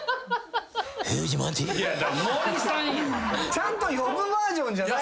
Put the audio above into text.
ちゃんと呼ぶバージョンじゃない。